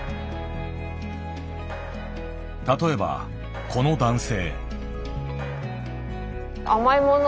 例えばこの男性。